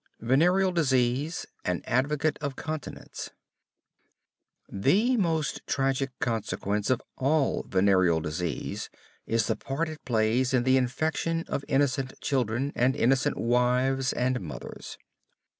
VENEREAL DISEASE AN ADVOCATE OF CONTINENCE The most tragic consequence of all venereal disease is the part it plays in the infection of innocent children, and innocent wives and mothers.